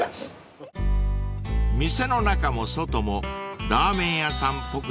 ［店の中も外もラーメン屋さんっぽく